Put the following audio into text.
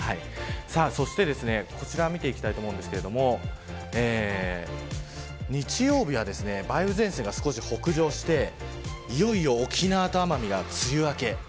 そして、こちら見ていきたいんですが日曜日は梅雨前線が少し北上していよいよ沖縄と奄美が梅雨明け。